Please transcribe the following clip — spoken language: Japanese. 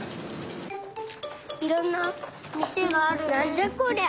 いろんなみせがあるね。